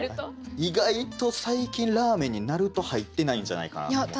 意外と最近ラーメンになると入ってないんじゃないかなと思って。